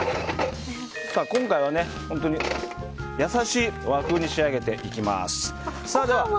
今回は優しい和風に仕上げていきます。